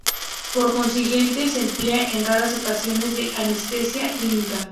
Por consiguiente, se emplea en raras ocasiones en anestesia clínica.